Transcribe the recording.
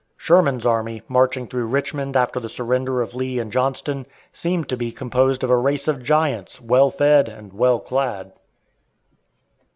Sherman's army, marching through Richmond after the surrender of Lee and Johnston, seemed to be composed of a race of giants, well fed and well clad.